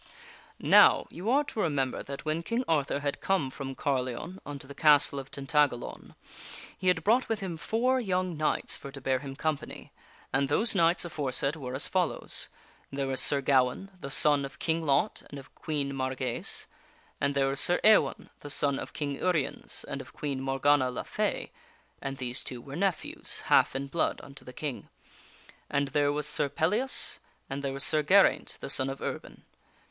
Now, you are to remember that when King Arthur had come from Carleon unto the castle of Tintagalon, he had brought with him four young knights for to bear him company. And those knights aforesaid were as follows : There was Sir Gawaine, the son of King Lot and of Queen Margai.se, and there was Sir Ewaine, the son of King Uriens and of Queen Morgana la Fay (and these two were nephews, half in blood, unto the King), and there was Sir Pellias, and there was Sir Geraint, the son of Erbin.